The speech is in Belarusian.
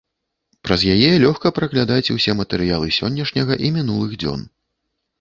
Праз яе лёгка праглядаць усе матэрыялы сённяшняга і мінулых дзён.